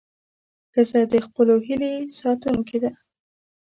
ښځه د خپلو هیلې ساتونکې ده.